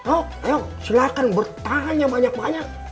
oh ayo silahkan bertanya banyak banyak